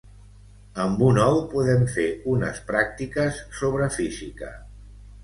Amb un ou podem fer unes pràctiques sobre física.